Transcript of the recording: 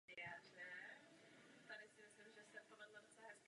I nadále však monitorujeme současnou i budoucí hrozbu úniku uhlíku.